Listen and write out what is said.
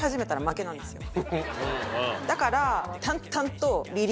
だから。